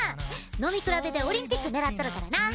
飲み比べでオリンピック狙っとるからな！